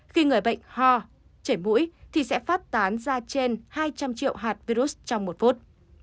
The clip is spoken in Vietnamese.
khi người bệnh ho chảy mũi thì sẽ phát tán ra trên hai trăm linh triệu hạt virus trong một phút